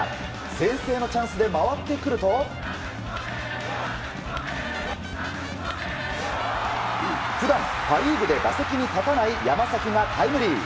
先制のチャンスで回ってくると普段、パ・リーグで打席に立たない山崎がタイムリー。